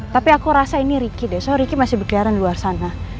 tapi aku rasa ini ricky deh so riki masih berkeliaran di luar sana